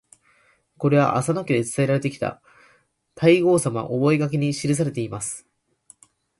これは浅野家で伝えられてきた「太閤様御覚書」に記されています。